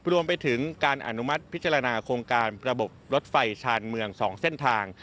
รวมไปถึงการอนุมัติพิจารณาโครงการระบบรถไฟชาญเมือง๒เส้นทาง